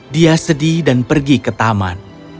dia sedih dan pergi ke taman